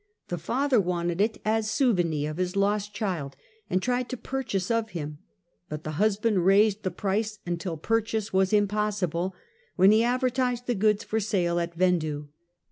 The father wanted it as souvenie ot his lost child, and tried to purchase of him, but the husband raised the price until purchase was impossible, when he adver tised the goods for sale at vendue.